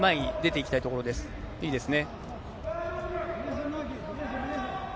いいですね。